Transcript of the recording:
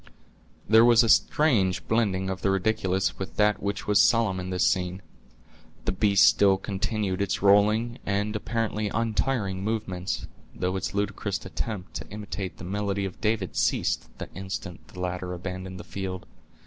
There was a strange blending of the ridiculous with that which was solemn in this scene. The beast still continued its rolling, and apparently untiring movements, though its ludicrous attempt to imitate the melody of David ceased the instant the latter abandoned the field.